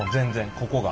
ここが。